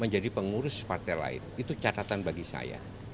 menjadi pengurus partai lain itu catatan bagi saya